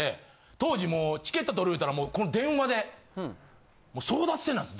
当時もうチケット取るいうたら電話でもう争奪戦なんです。